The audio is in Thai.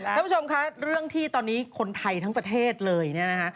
ท่านผู้ชมคะเรื่องที่ตอนนี้คนไทยทั้งประเทศเลย